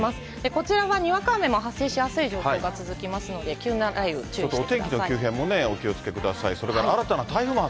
こちらはにわか雨も発生しやすい状況が続きますので、急な雷雨、いい汗。